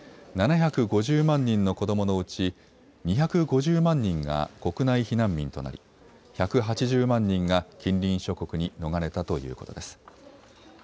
７５０万人の子どものうち２５０万人が国内避難民となり、１８０万人が近隣諸国に逃れたということです。